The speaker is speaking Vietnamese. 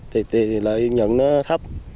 thì lợi nhuận nó thấp